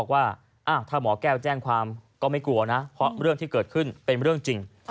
ว่าถ้าหมอแก้วแจ้งความก็ไม่กลัวนะเพราะเรื่องที่เกิดขึ้นเป็นเรื่องจริง